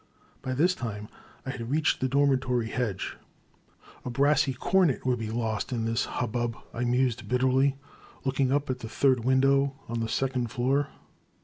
By this time I had reached the dormitory hedge. A brassy comet would be lost in this hub bub, I mused bitterly, looking up at the third window on the second floor.